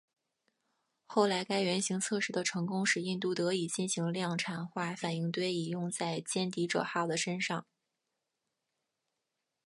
后来该原型测试的成功使印度得以进行量产化反应堆以用在歼敌者号的身上。